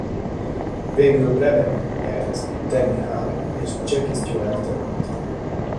Végül Brabham nyert Denny Hulme és Jackie Stewart előtt.